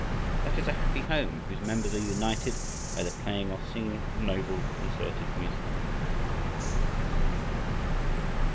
That is a happy home whose members are united by the playing or singing of noble concerted music.